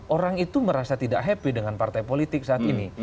orang itu merasa tidak happy dengan partai politik saat ini